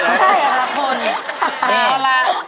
ใช่ละโค่นี้